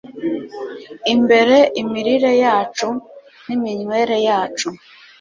imbere imirire yacu n’iminywere yacu.